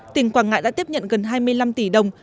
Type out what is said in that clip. tỉnh quảng ngãi đã tiếp nhận gần hai mươi năm tỷ đồng